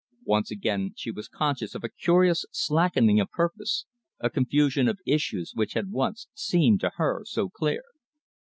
Once again she was conscious of a curious slackening of purpose, a confusion of issues which had once seemed to her so clear.